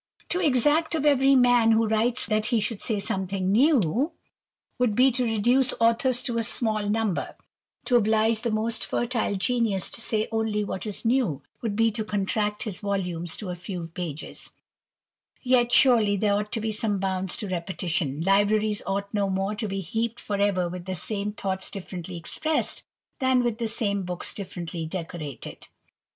To exact of every man who writes that he should say Something new, would be to reduce authors to a small ^Ximber ; to oblige the most fertile genius to say only what ^^ new, would be to contract his volumes to a few pages, ^et, surely, there ought to be some bounds to repetition ; libraries ought no more to be heaped for ever with the same thoughts differently expressed, than with the same books fiifferently decorated.